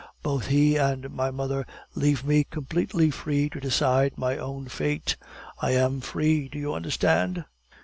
Both he and my mother leave me completely free to decide my own fate. I am free do you understand?"